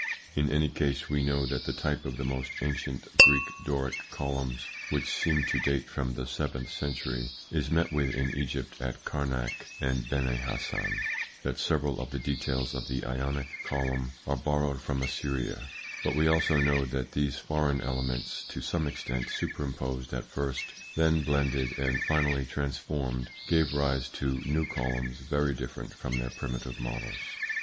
In any case, we know that the type of the most ancient Greek Doric ITS INFLUENCE ON THEIR EVOLUTION 107 columns, which seem to date from the seventh century, is met with in Egypt at Karnak and Beni Hassan ; that several of the details of the Ionic column are borrowed from Assyria ; but we also know that these foreign elements, to some extent superimposed at first, then blended, and finally transformed, gave rise to new columns very different from their primitive models.